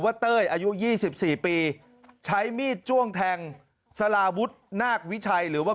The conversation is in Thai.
เต้ยอายุ๒๔ปีใช้มีดจ้วงแทงสลาวุฒินาควิชัยหรือว่า